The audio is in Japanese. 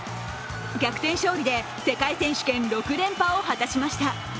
逆転勝利で世界選手権６連覇を果たしました。